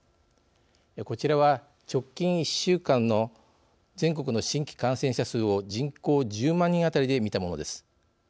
こちらは、直近１週間の全国の新規感染者数を人口１０万人当たりで見たものです。